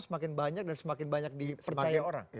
semakin banyak dan semakin banyak dipercaya orang